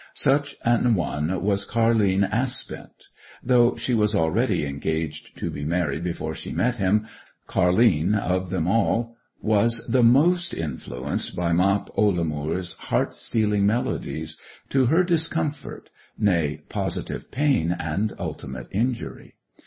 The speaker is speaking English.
Such an one was Car'line Aspent. Though she was already engaged to be married before she met him, Car'line, of them all, was the most influenced by Mop Ollamoor's heart stealing melodies, to her discomfort, nay, positive pain and ultimate injury.